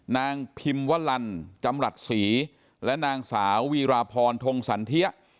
นางพิมวลันจำรัฐศรีและนางสาววีราพรทงสันเทีย